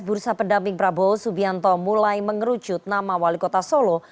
bursa pendamping prabowo subianto mulai mengerucut nama wali kota solo